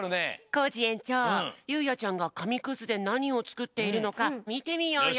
コージえんちょうゆいあちゃんがかみくずでなにをつくっているのかみてみようよ！